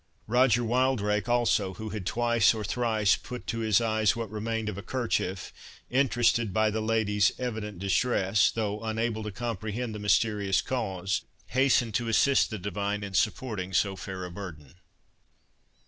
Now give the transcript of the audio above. Roger Wildrake, also, who had twice or thrice put to his eyes what remained of a kerchief, interested by the lady's evident distress, though unable to comprehend the mysterious cause, hastened to assist the divine in supporting so fair a burden.